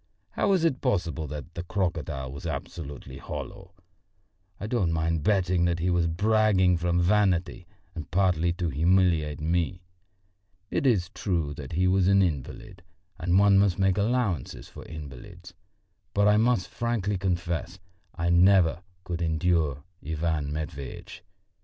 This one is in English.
How was it possible that the crocodile was absolutely hollow? I don't mind betting that he was bragging from vanity and partly to humiliate me. It is true that he was an invalid and one must make allowances for invalids; but I must frankly confess, I never could endure Ivan Matveitch.